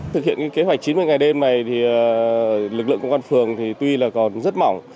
thực hiện kế hoạch chín mươi ngày đêm này thì lực lượng công an phường thì tuy là còn rất mỏng